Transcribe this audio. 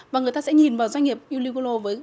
và người ta sẽ nhìn vào doanh nghiệp uligolo với